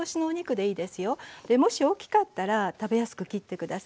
もし大きかったら食べやすく切って下さい。